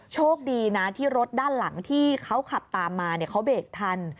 โชคดีนะที่รถด้านหลังที่เขาขับตามมาเขาเบรกทัน